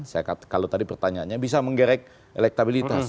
saya kalau tadi pertanyaannya bisa menggerek elektabilitas